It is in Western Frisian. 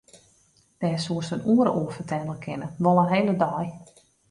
Dêr soest in oere oer fertelle kinne, wol in hele dei.